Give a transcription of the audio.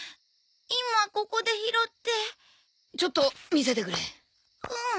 今ここで拾ってちょっと見せてくれうん